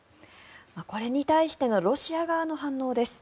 これに対してのロシア側の反応です。